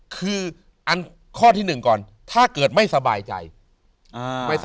คืออันข้อที่หนึ่งก่อนถ้าเกิดไม่สบายใจ